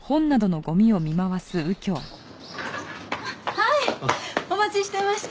はいお待ちしてました。